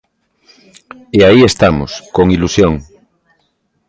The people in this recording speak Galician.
E aí estamos, con ilusión.